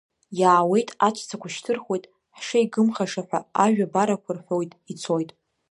Иаауеит, аҵәцақәа шьҭырхуеит, ҳшеигымхаша ҳәа ажәа барақәа рҳәоит, ицоит.